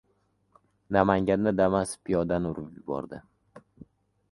Namanganda “Damas” piyodani urib yubordi